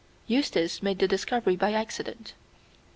Eustace made the discovery by accident.